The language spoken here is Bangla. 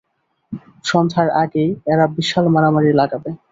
সন্ধ্যার আগেই এরা বিশাল মারামারি লাগাবে।